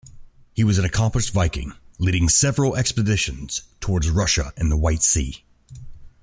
He was an accomplished viking, leading several expeditions towards Russia and the White Sea.